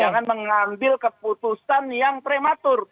jangan mengambil keputusan yang prematur